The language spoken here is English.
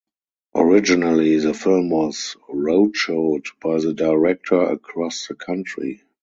Originally the film was "roadshowed" by the director across the country.